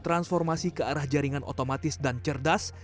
transformasi ke arah jaringan otomatis dan cerdas